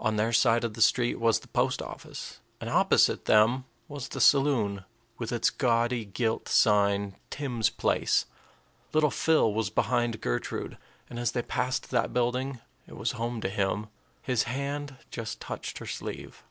On their side of the street was the post office, and opposite them was the saloon, with its gaudy gilt sign, "Tim's Place." Little Phil was behind Gertrude; and as they passed that building, it was home to him his hand just touched her sleeve.